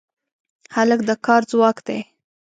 هلک د کار ځواک دی.